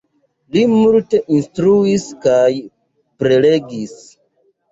Li multe instruis kaj prelegis.